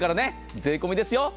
税込みですよ。